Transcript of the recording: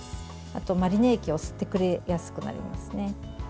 あと、マリネ液を吸ってくれやすくなりますね。